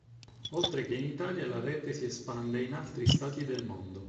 Oltre che in Italia, la rete si espande in altri stati del mondo.